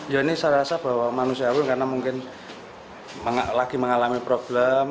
ya ini saya rasa bahwa manusia pun karena mungkin lagi mengalami problem